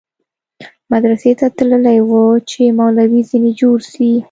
مدرسې ته تللى و چې مولوى ځنې جوړ سي.